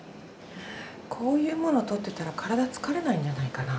こういうものとってたら体疲れないんじゃないかな。